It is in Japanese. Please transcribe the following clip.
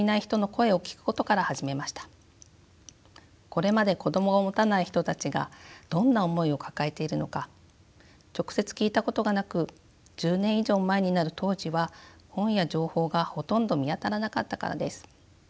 これまで子どもを持たない人たちがどんな思いを抱えているのか直接聞いたことがなく１０年以上前になる当時は本や情報がほとんど見当たらなかったからです。